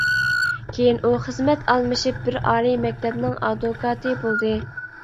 كېيىن ئۇ خىزمەت ئالمىشىپ، بىر ئالىي مەكتەپنىڭ ئادۋوكاتى بولدى.